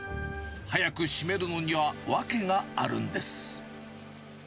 早く閉めるのには訳があるんです。